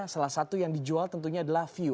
salah satu yang dijual tentunya adalah view